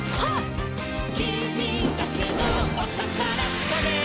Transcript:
「きみだけのおたからつかめ！」